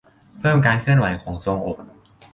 เพิ่มการเคลื่อนไหวของทรวงอก